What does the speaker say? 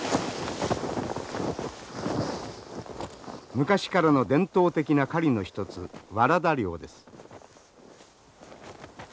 昔からの伝統的な狩りの一つワラダ猟です。